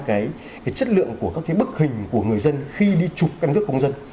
cái chất lượng của các cái bức hình của người dân khi đi chụp căn cước công dân